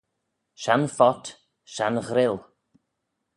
Shenn phot, shenn ghryle,